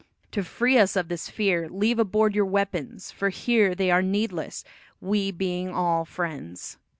To free us of this fear, leave aboard your weapons, for here they are needless, we being all friends."